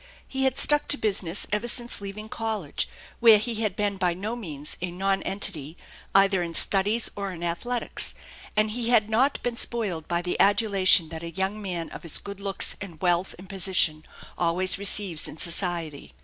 He had stuck to business ever since leaving college, where he had been by no means a non entity either in studies or in athletics; and he had not been spoiled by the adulation that a young man of his good looks and wealth and position always receives in society.